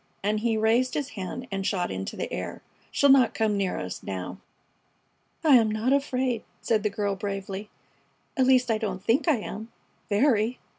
and he raised his hand and shot into the air. "She'll not come near us now." "I am not afraid!" said the girl, bravely. "At least, I don't think I am very!